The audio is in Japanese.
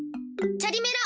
チャリメラ。